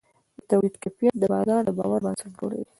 د تولید کیفیت د بازار د باور بنسټ جوړوي.